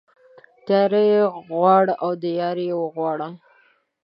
تياره يې غواړه ، د ياره يې غواړه.